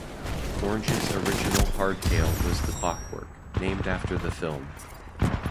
Orange's original hardtail was the Clockwork, named after the film.